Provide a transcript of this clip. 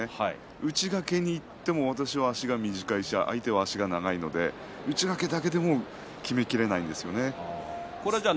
内掛けにいっても私は足が短いし相手は足が長いので内掛けだけでもきめきれないんですよね。